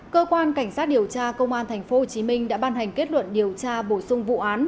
cơ quan cảnh sát điều tra công an tp hcm đã ban hành kết luận điều tra bổ sung vụ án